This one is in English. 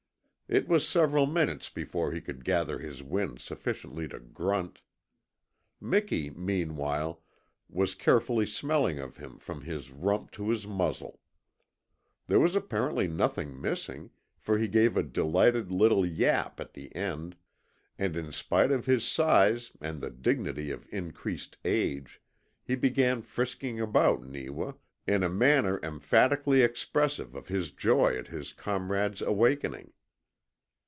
It was several minutes before he could gather his wind sufficiently to grunt. Miki, meanwhile, was carefully smelling of him from his rump to his muzzle. There was apparently nothing missing, for he gave a delighted little yap at the end, and, in spite of his size and the dignity of increased age, he began frisking about Neewa In a manner emphatically expressive of his joy at his comrade's awakening.